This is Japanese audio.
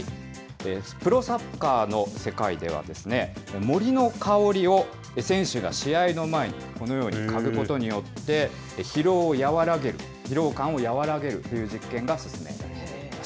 プロサッカーの世界では、森の香りを選手が試合の前に、このように嗅ぐことによって、疲労を和らげる、疲労感を和らげるという実験が進められています。